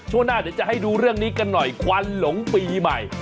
ช่วงหน้าเดี๋ยวจะให้ดูเรื่องนี้กันหน่อยควันหลงปีใหม่